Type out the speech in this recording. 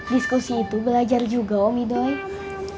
diskusi itu belajar juga om idoy